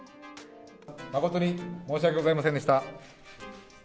誠に申し訳ございませんでした。